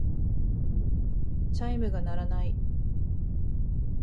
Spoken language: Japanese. チャイムが鳴らない。